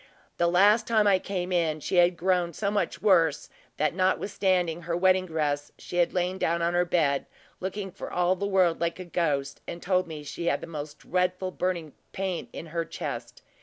The last time I came in, she had grown so much worse, that notwithstanding her wedding dress, she had lain down on her bed, looking for all the world like a ghost, and told me she had the most dreadful burning pain in her chest.